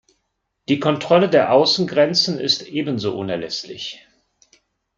Die Kontrolle der Außengrenzen ist ebenso unerlässlich.